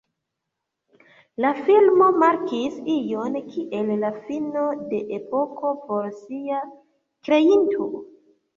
La filmo markis ion kiel la fino de epoko por sia kreinto.